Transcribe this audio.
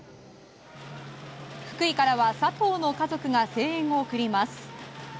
福井からは佐藤の家族が声援を送ります。